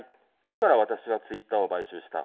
だから、私はツイッターを買収した。